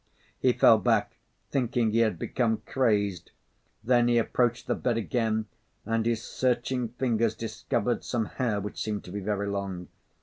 He fell back, thinking he had become crazed; then he approached the bed again and his searching fingers discovered some hair which seemed to be very long.